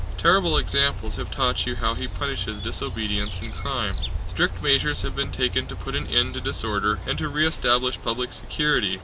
Terrible examples have taught you how he punishes disobedience and crime. Strict measures have been taken to put an end to disorder and to re establish public security.